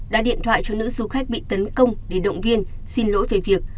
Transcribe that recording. đã điện thoại cho nữ du khách bị tấn công để động viên xin lỗi về việc